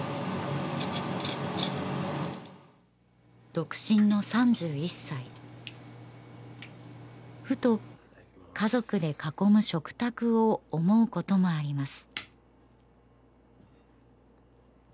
独身の３１歳ふと家族で囲む食卓を思うこともあります